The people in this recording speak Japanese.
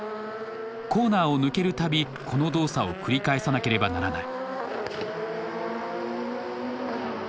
コーナーを抜けるたびこの動作を繰り返さなければならない。